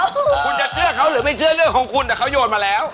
คุณจะเชื่อเขาหรือไม่เชื่อเรื่องของคุณแต่เขาโยนมาแล้ว